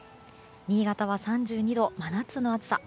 新潟は３２度と真夏の暑さ。